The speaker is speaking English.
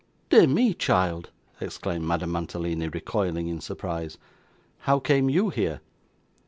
'Dear me, child!' exclaimed Madame Mantalini, recoiling in surprise. 'How came you here?